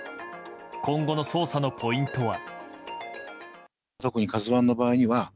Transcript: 今後の捜査のポイントは。